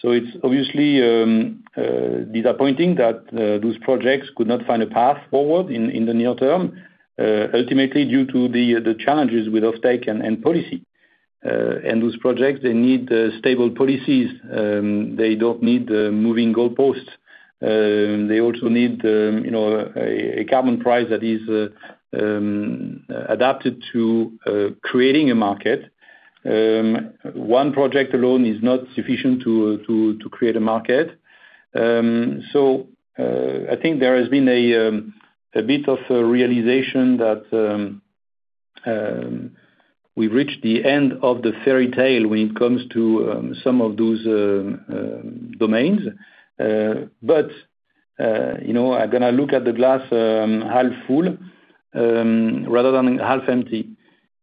It's obviously disappointing that those projects could not find a path forward in the near term, ultimately due to the challenges with offtake and policy. And those projects, they need stable policies, they don't need moving goalposts. They also need, you know, a carbon price that is adapted to creating a market. One project alone is not sufficient to create a market. So, I think there has been a bit of a realization that we've reached the end of the fairy tale when it comes to some of those domains. But, you know, I'm going to look at the glass half full rather than half empty.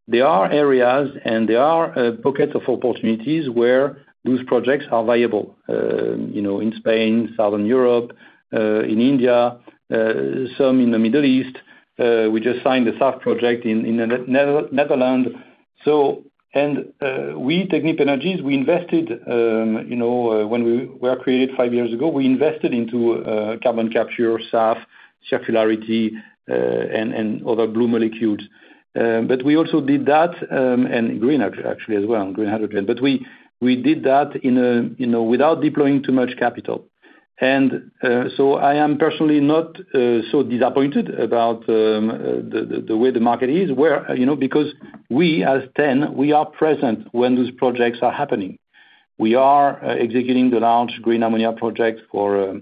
There are areas, and there are pockets of opportunities where those projects are viable, you know, in Spain, Southern Europe, in India, some in the Middle East. We just signed a SAF project in the Netherland. We, Technip Energies, we invested, you know, when we were created five years ago, we invested into carbon capture, SAF, circularity, and other blue molecules. We also did that, and green actually as well, green hydrogen. We did that in a, you know, without deploying too much capital. I am personally not so disappointed about the way the market is, where, you know, because we as Ten, we are present when those projects are happening. We are executing the large green ammonia project for,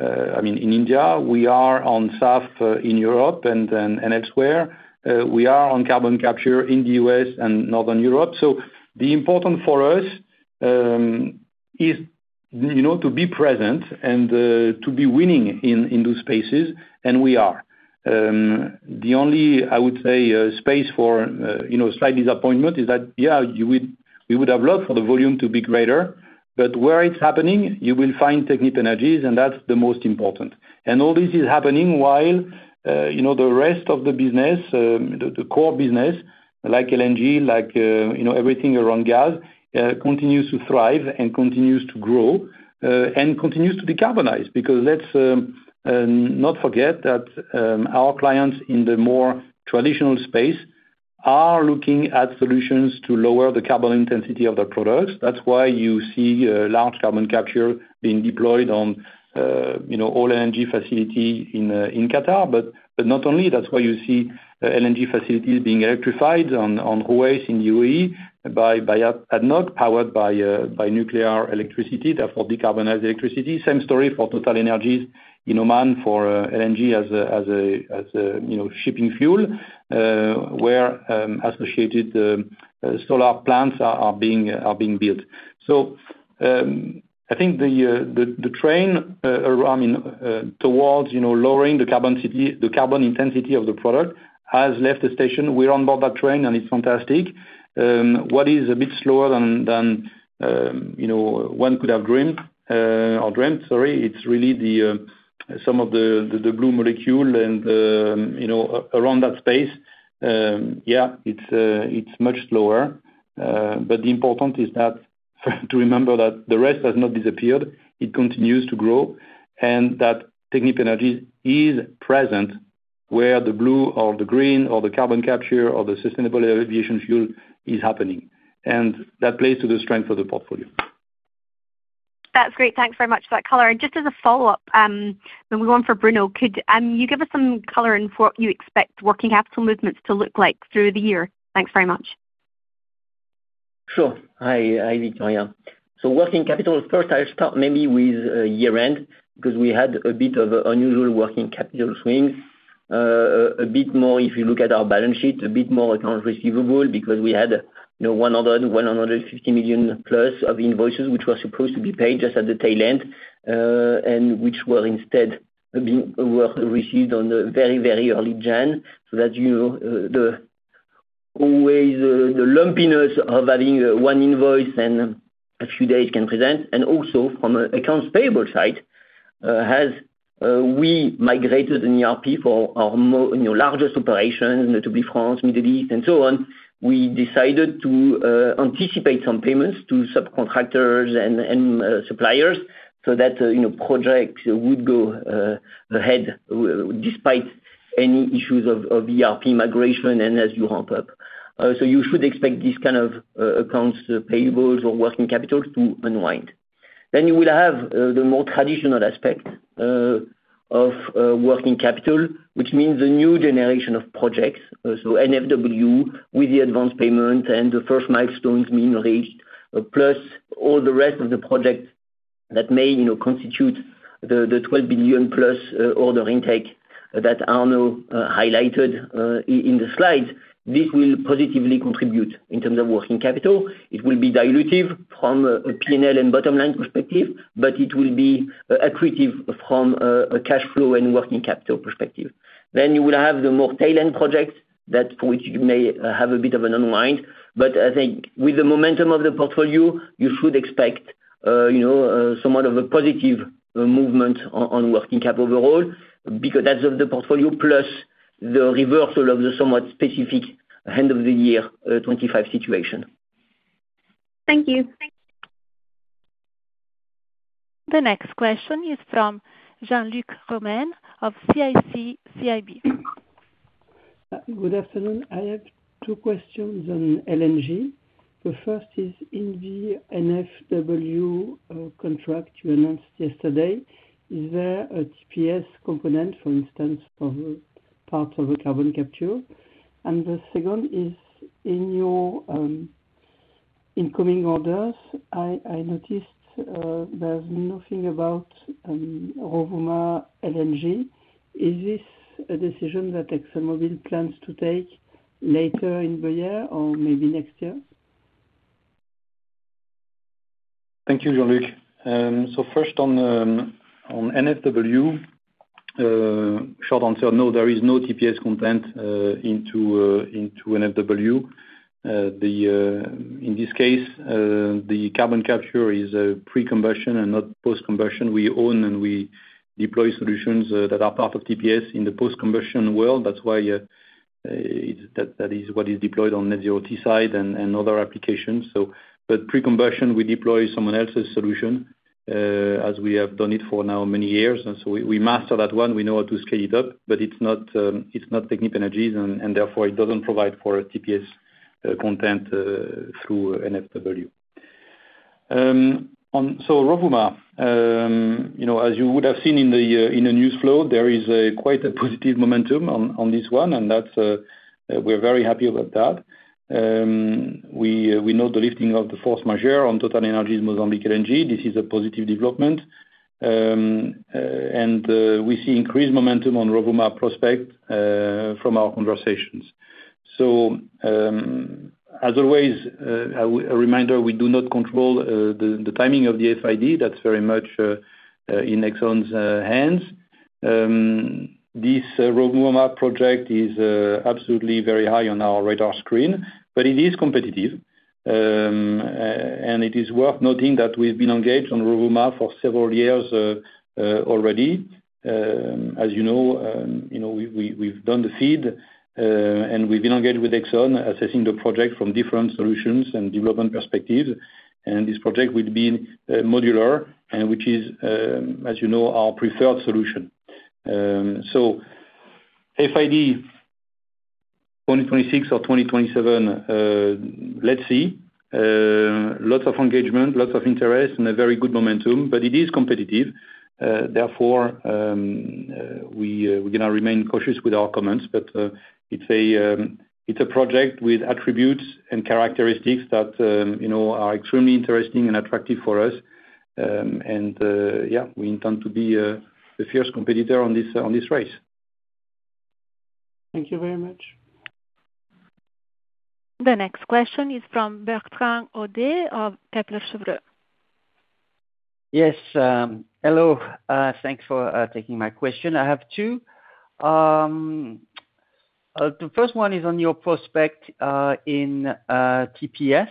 I mean, in India. We are on SAF in Europe and elsewhere. We are on carbon capture in the U.S. and Northern Europe. The important for us, is, you know, to be present and to be winning in those spaces, and we are. The only, I would say, space for, you know, slight disappointment is that we would have loved for the volume to be greater, but where it's happening, you will find Technip Energies, and that's the most important. All this is happening while, you know, the rest of the business, the core business, like LNG, like, you know, everything around gas, continues to thrive and continues to grow and continues to decarbonize. Let's not forget that our clients in the more traditional space are looking at solutions to lower the carbon intensity of their products. That's why you see large carbon capture being deployed on, you know, all LNG facility in Qatar, but not only, that's why you see LNG facilities being electrified on Ruwais in UAE by ADNOC, powered by nuclear electricity, therefore, decarbonized electricity. Same story for TotalEnergies in Oman, for LNG as a shipping fuel, where associated solar plants are being built. I think the train around towards, you know, lowering the carbon city, the carbon intensity of the product, has left the station. We're on board that train, and it's fantastic. What is a bit slower than, you know, one could have dreamed or dreamt, sorry, it's really the some of the blue molecule and, you know, around that space. Yeah, it's much slower, but the important is that to remember that the rest has not disappeared, it continues to grow, and that Technip Energies is present where the blue or the green or the carbon capture or the sustainable aviation fuel is happening. That plays to the strength of the portfolio. That's great. Thanks very much for that color. Just as a follow-up, then we go on for Bruno, could you give us some color in what you expect working capital movements to look like through the year? Thanks very much. Sure. Hi, Victoria. Working capital, first I'll start maybe with year-end, because we had a bit of unusual working capital swings. A bit more if you look at our balance sheet, a bit more accounts receivable, because we had, you know, 100 million, 150 million plus of invoices, which were supposed to be paid just at the tail end. And which were instead were received on the very, very early January. That, you, the always the lumpiness of having one invoice and a few days can present. Also from a accounts payable side, has, we migrated an ERP for our you know, largest operation, to be France, Middle East, and so on. We decided to anticipate some payments to subcontractors and suppliers, so that, you know, projects would go ahead despite any issues of ERP migration and as you ramp up. You should expect this kind of accounts payables or working capital to unwind. You will have the more traditional aspect of working capital, which means the new generation of projects. NFW with the advanced payment and the first milestones being reached, plus all the rest of the project that may, you know, constitute the 12 billion+ order intake that Arnaud highlighted in the slides. This will positively contribute in terms of working capital. It will be dilutive from a PNL and bottom line perspective, but it will be accretive from a cash flow and working capital perspective. You will have the more tail end projects, that for which you may have a bit of an unwind. I think with the momentum of the portfolio, you should expect, you know, somewhat of a positive movement on working cap overall, because that's of the portfolio, plus the reversal of the somewhat specific end of the year, 2025 situation. Thank you. The next question is from Jean-Luc Romain of CIC CIB. Good afternoon. I have two questions on LNG. The first is, in the NFW contract you announced yesterday, is there a TPS component, for instance, for part of the carbon capture? The second is, in your incoming orders, I noticed there's nothing about Rovuma LNG. Is this a decision that ExxonMobil plans to take later in the year or maybe next year? Thank you, Jean-Luc. First on NFW, short answer, no, there is no TPS content into NFW. In this case, the carbon capture is a pre-combustion and not post-combustion. We own and we deploy solutions that are part of TPS in the post-combustion world. That's why that is what is deployed on Net Zero Teesside and other applications. Pre-combustion, we deploy someone else's solution as we have done it for now many years. We master that one, we know how to scale it up, but it's not Technip Energies, and therefore it doesn't provide for a TPS content through NFW. On, so Rovuma, you know, as you would have seen in the news flow, there is quite a positive momentum on this one, and that's we're very happy about that. We note the lifting of the force majeure on TotalEnergies Mozambique LNG, this is a positive development. We see increased momentum on Rovuma prospect from our conversations. As always, a reminder, we do not control the timing of the FID, that's very much in Exxon's hands. This Rovuma project is absolutely very high on our radar screen, but it is competitive. It is worth noting that we've been engaged on Rovuma for several years already. As you know, you know, we've done the FEED, and we've been engaged with Exxon, assessing the project from different solutions and development perspective. This project will be modular, and which is, as you know, our preferred solution. FID 2026 or 2027, let's see. Lots of engagement, lots of interest, and a very good momentum, but it is competitive. Therefore, we're gonna remain cautious with our comments, but it's a project with attributes and characteristics that, you know, are extremely interesting and attractive for us. Yeah, we intend to be the fierce competitor on this race. Thank you very much. The next question is from Bertrand Hodée of Kepler Cheuvreux. Yes, hello. Thanks for taking my question. I have two. The first one is on your prospect in TPS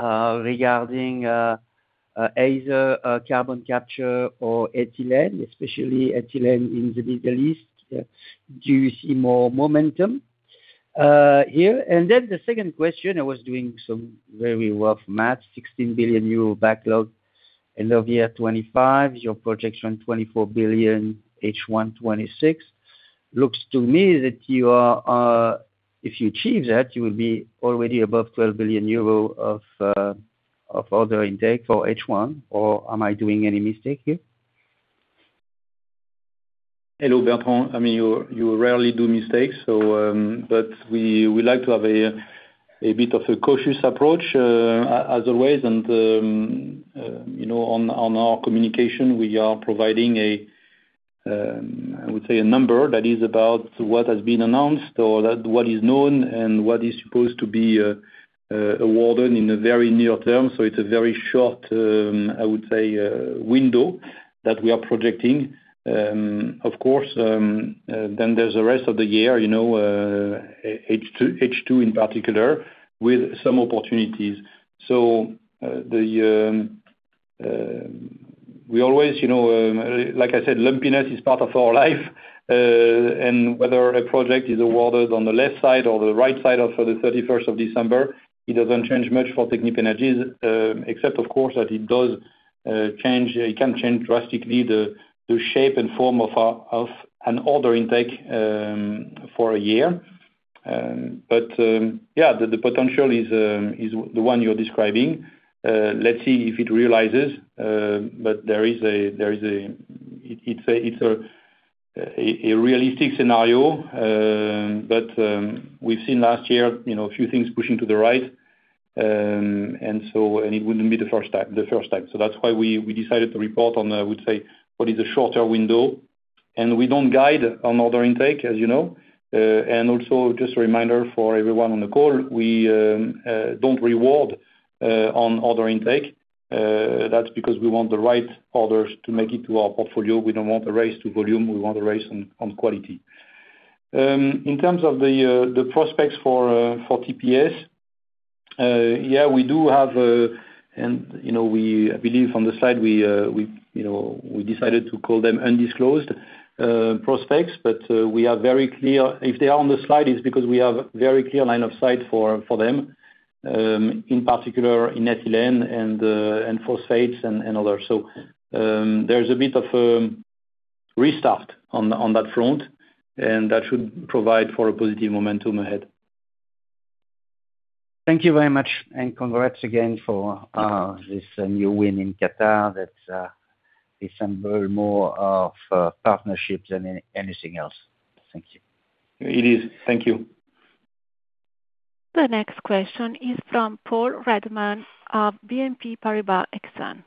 regarding either carbon capture or ethylene, especially ethylene in the Middle East. Do you see more momentum here? The second question, I was doing some very rough math, 16 billion euro backlog, end of year 2025, your projection 24 billion, H1 2026. Looks to me that you are, if you achieve that, you will be already above 12 billion euro of order intake for H1, or am I doing any mistake here? Hello, Bertrand. I mean, you rarely do mistakes, so, but we like to have a bit of a cautious approach, as always. You know, on our communication, we are providing a, I would say a number that is about what has been announced or what is known and what is supposed to be awarded in the very near term. It's a very short, I would say, window that we are projecting. Of course, then there's the rest of the year, you know, H2 in particular, with some opportunities. We always, you know, like I said, lumpiness is part of our life. Whether a project is awarded on the left side or the right side of the 31st of December, it doesn't change much for Technip Energies, except of course that it does change, it can change drastically the shape and form of an order intake for a year. Yeah, the potential is the one you're describing. Let's see if it realizes, there is a, it's a realistic scenario. We've seen last year, you know, a few things pushing to the right. It wouldn't be the first time. That's why we decided to report on, I would say, what is a shorter window, and we don't guide on order intake, as you know. Also just a reminder for everyone on the call, we don't reward on order intake. That's because we want the right orders to make it to our portfolio. We don't want to race to volume. We want to race on quality. In terms of the prospects for TPS, yeah, we do have, and, you know, we, I believe on the side we, you know, we decided to call them undisclosed prospects, but we are very clear. If they are on the slide, it's because we have very clear line of sight for them, in particular in ethylene and phosphates and other. There's a bit of restart on that front, and that should provide for a positive momentum ahead. Thank you very much. Congrats again for this new win in Qatar. That resemble more of a partnership than anything else. Thank you. It is. Thank you. The next question is from Paul Redmond of BNP Paribas Exane.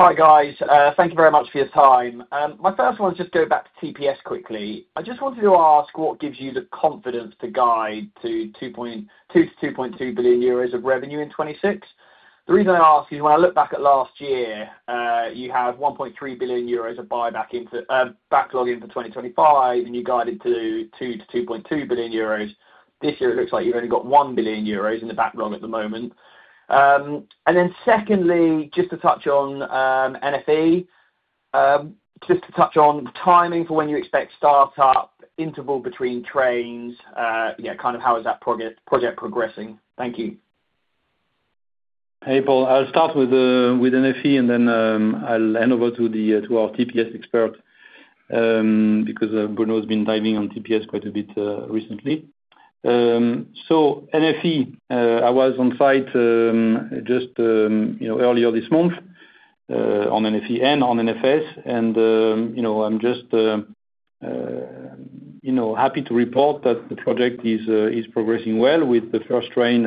Hi, guys. Thank you very much for your time. My first one, just going back to TPS quickly. I just wanted to ask what gives you the confidence to guide to 2.2 billion-2.2 billion euros of revenue in 2026? The reason I ask is when I look back at last year, you had 1.3 billion euros of buyback into, backlog into 2025, and you guided to 2 billion-2.2 billion euros. This year it looks like you've only got 1 billion euros in the backlog at the moment. Then secondly, just to touch on, NFE, just to touch on the timing for when you expect startup, interval between trains, yeah, kind of how is that project progressing? Thank you. Hey, Paul. I'll start with NFE, and then I'll hand over to the to our TPS expert, because Bruno's been diving on TPS quite a bit recently. NFE, I was on site just, you know, earlier this month, on NFE and on NFS, you know, I'm just, you know, happy to report that the project is progressing well with the first train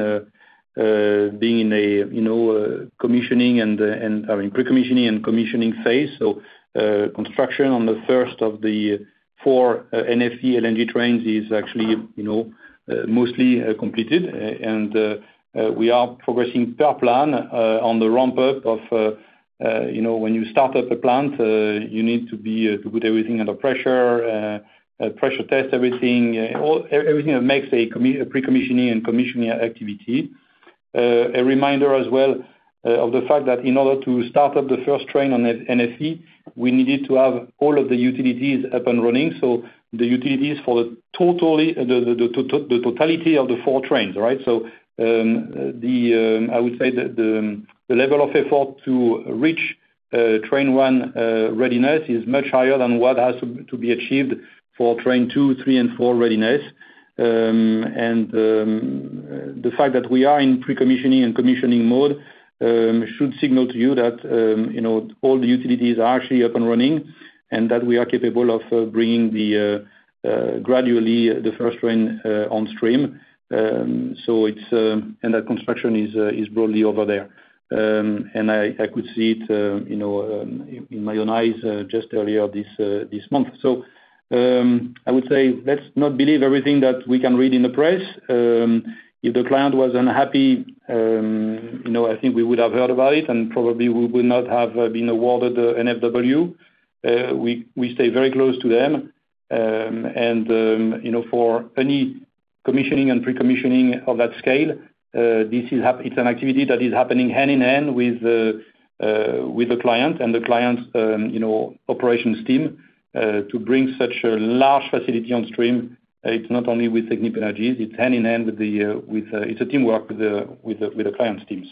being in a, you know, commissioning and, I mean, pre-commissioning and commissioning phase. Construction on the first of the 4 NFE LNG trains is actually, you know, mostly completed, and we are progressing per plan on the ramp up of, you know, when you start up a plant, you need to put everything under pressure test everything that makes a pre-commissioning and commissioning activity. A reminder as well of the fact that in order to start up the first train on NFE, we needed to have all of the utilities up and running, so the utilities for the totality of the 4 trains, right? I would say that the level of effort to reach train one readiness is much higher than what has to be achieved for train two, three, and four readiness. And the fact that we are in pre-commissioning and commissioning mode should signal to you that, you know, all the utilities are actually up and running, and that we are capable of bringing the gradually the first train on stream. And that construction is broadly over there. And I could see it, you know, in my own eyes, just earlier this month. I would say let's not believe everything that we can read in the press. If the client was unhappy, you know, I think we would have heard about it, and probably we would not have been awarded the NFW. We stay very close to them. You know, for any commissioning and pre-commissioning of that scale, it's an activity that is happening hand-in-hand with the client and the client's, you know, operations team. To bring such a large facility on stream, it's not only with Technip Energies, it's hand-in-hand with the client's team. It's a teamwork with the client's team.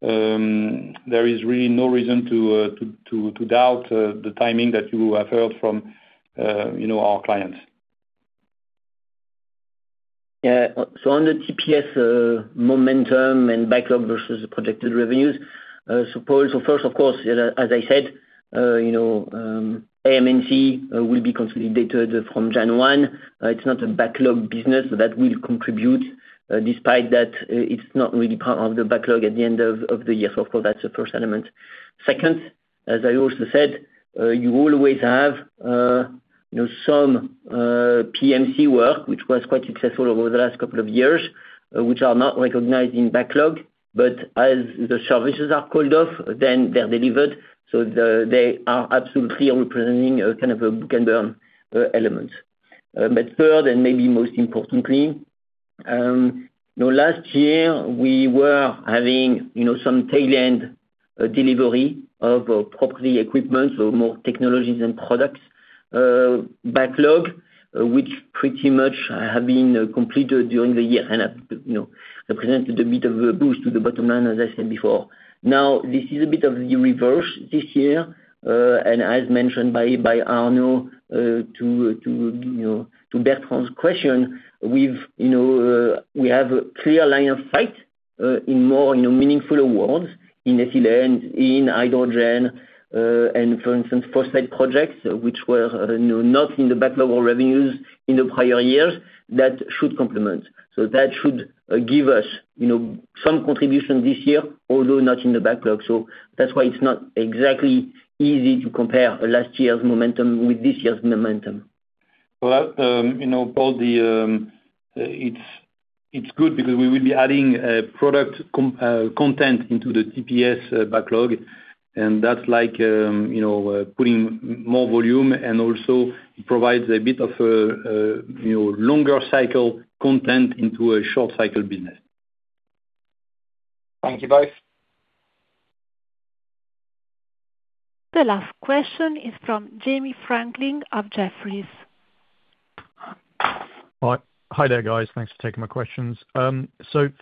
There is really no reason to doubt the timing that you have heard from, you know, our clients. Yeah. On the TPS momentum and backlog versus the projected revenues, first, of course, as I said, you know, AM&C will be consolidated from Jan 1. It's not a backlog business, but that will contribute despite that it's not really part of the backlog at the end of the year. So far, that's the first element. Second, as I also said, you always have, you know, some PMC work, which was quite successful over the last couple of years, which are not recognized in backlog, but as the services are called off, then they're delivered, so they are absolutely representing a kind of a book and burn element. Third, and maybe most importantly, you know, last year we were having, you know, some tail end delivery of property equipment, so more technologies and products backlog, which pretty much have been completed during the year and have, you know, represented a bit of a boost to the bottom line, as I said before. This is a bit of the reverse this year, and as mentioned by Arnaud, to, you know, to Bertrand's question, we've, you know, we have a clear line of sight in more, you know, meaningful awards in ethylene, in hydrogen, and for instance, phosphate projects which were, you know, not in the backlog or revenues in the prior years. That should complement. That should give us, you know, some contribution this year, although not in the backlog. That's why it's not exactly easy to compare last year's momentum with this year's momentum. Well, you know, Paul, it's good because we will be adding product content into the TPS backlog, and that's like, you know, putting more volume and also provides a bit of, you know, longer cycle content into a short cycle business. Thank you, both. The last question is from Jamie Franklin of Jefferies. Hi. Hi there, guys. Thanks for taking my questions.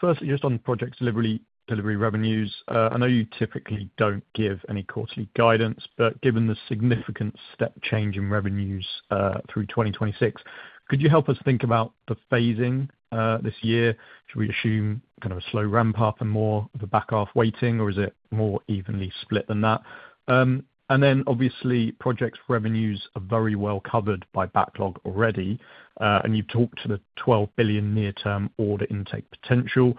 Firstly, just on project delivery revenues, I know you typically don't give any quarterly guidance, but given the significant step change in revenues, through 2026, could you help us think about the phasing this year? Should we assume kind of a slow ramp up and more of a back half waiting, or is it more evenly split than that? Obviously, projects revenues are very well covered by backlog already, and you've talked to the 12 billion near-term order intake potential.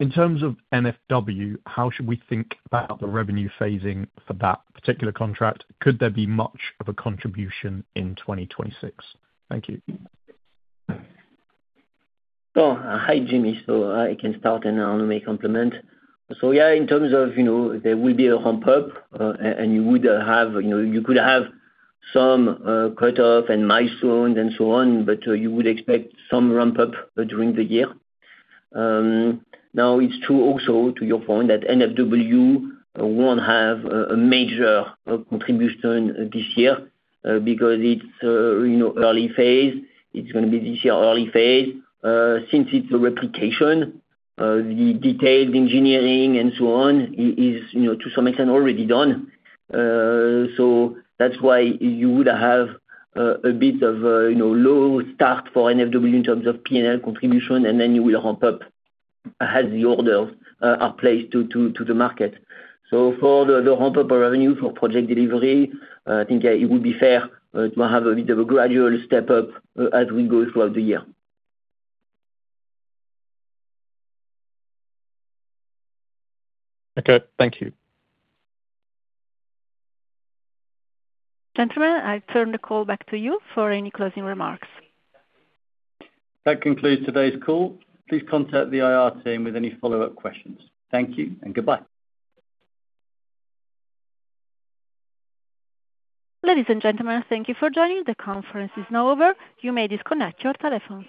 In terms of NFW, how should we think about the revenue phasing for that particular contract? Could there be much of a contribution in 2026? Thank you. Oh, hi, Jamie. I can start, and Arnaud may complement. Yeah, in terms of, you know, there will be a ramp up, and you would have, you know, you could have some cut off and milestones and so on, but you would expect some ramp up during the year. Now, it's true also to your point, that NFW won't have a major contribution this year, because it's, you know, early phase. It's gonna be this year, early phase. Since it's a replication, the detailed engineering and so on, is, you know, to some extent already done. That's why you would have a bit of a, you know, low start for NFW in terms of P&L contribution, and then you will ramp up as the orders are placed to the market. For the ramp up of revenue for project delivery, I think, yeah, it would be fair to have a bit of a gradual step up as we go throughout the year. Okay. Thank you. Gentlemen, I turn the call back to you for any closing remarks. That concludes today's call. Please contact the IR team with any follow-up questions. Thank you, and goodbye. Ladies and gentlemen, thank you for joining. The conference is now over. You may disconnect your telephones.